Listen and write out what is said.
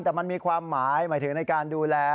แต่มันมีความหมายหมายถึงในการดูแล